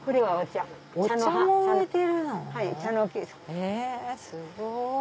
えすごい。